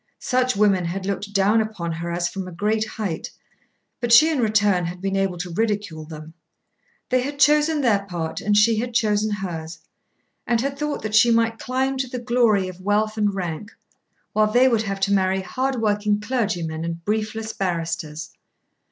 Such women had looked down upon her as from a great height, but she in return had been able to ridicule them. They had chosen their part, and she had chosen hers, and had thought that she might climb to the glory of wealth and rank, while they would have to marry hard working clergymen and briefless barristers.